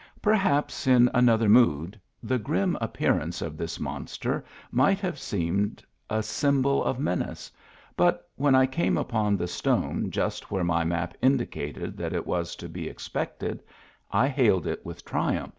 Perhaps in another mood, the grim appearance of this monster might have seemed a S3anbol of menace, but when I came upon the stone just where my map indicated that it was to be expected, I hailed it with triumph.